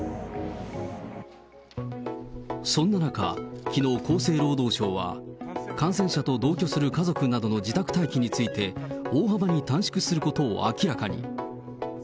そんな中、きのう、厚生労働省は、感染者と同居する家族などの自宅待機について、大幅に短縮することを明らかに。